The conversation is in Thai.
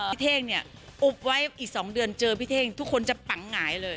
เท่งเนี่ยอุบไว้อีก๒เดือนเจอพี่เท่งทุกคนจะปังหงายเลย